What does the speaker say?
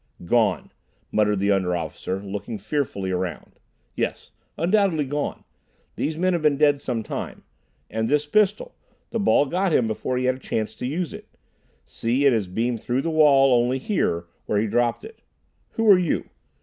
"Gone," muttered the under officer, looking fearfully around. "Yes, undoubtedly gone. These men have been dead some time. And this pistol. The ball got him before he had a chance to use it. See, it has beamed through the wall only here, where he dropped it. Who are you?